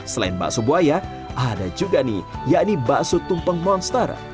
selain bakso buaya ada juga nih yakni bakso tumpeng monster